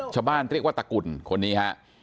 ชาวบ้านเรียกว่าตะกุลคนนี้ฮะ